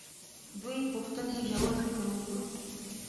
دوې پوښتنې ژور فکر وکړو.